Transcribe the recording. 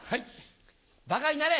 バカになれ。